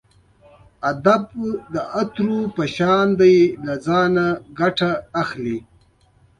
ادب د عطرو په شان دی له ځانه ګټه اخلئ.